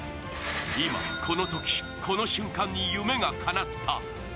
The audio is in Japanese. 今このとき、この瞬間に夢がかなった。